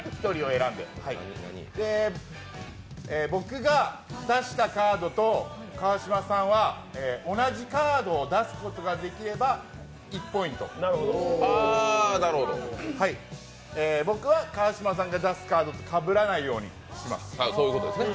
僕が出したカードと川島さんは同じカードを出すことができれば１ポイント、僕は川島さんが出すカードとかぶらないようにします。